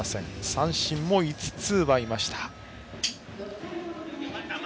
三振も５つ奪いました。